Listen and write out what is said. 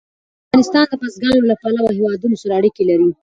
افغانستان د بزګانو له پلوه له هېوادونو سره اړیکې لري.